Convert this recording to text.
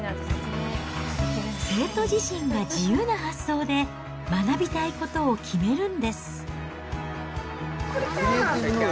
生徒自身が自由な発想で学びたいことを決めるんです。